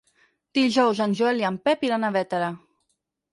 Dijous en Joel i en Pep iran a Bétera.